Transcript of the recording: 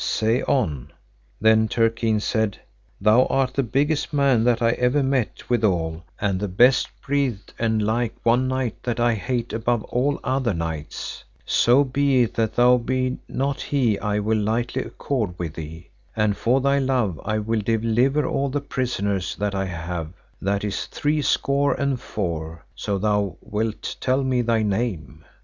Say on. Then Turquine said, Thou art the biggest man that ever I met withal, and the best breathed, and like one knight that I hate above all other knights; so be it that thou be not he I will lightly accord with thee, and for thy love I will deliver all the prisoners that I have, that is three score and four, so thou wilt tell me thy name.